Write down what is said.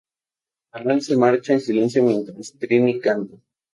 Manuel se marcha en silencio mientras Trini canta.